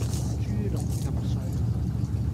豬籠入水